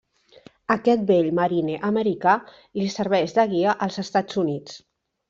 Aquest vell Marine americà li serveix de guia als Estats Units.